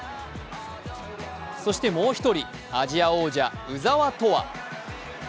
そしてもう１人、アジア王者、鵜澤飛羽。